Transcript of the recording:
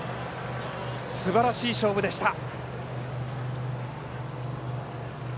すばらしい勝負でした。